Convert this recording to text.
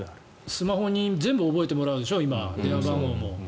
スマホに全部覚えてもらうんでしょ電話番号も。